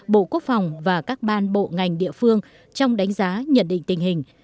bộ quốc phòng và các ban bộ ngành địa phương trong đánh giá nhận định tình hình